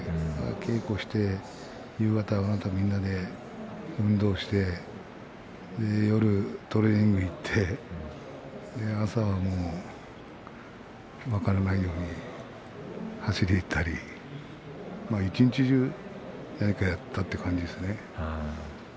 稽古して、夕方みんなで運動して夜トレーニングに行って朝は分からないように走りに行ったり一日中、何かやっていたという感じですね。